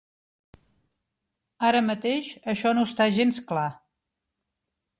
Ara mateix això no està gens clar.